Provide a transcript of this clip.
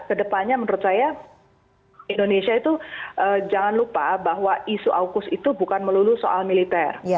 kedepannya menurut saya indonesia itu jangan lupa bahwa isu aukus itu bukan melulu soal militer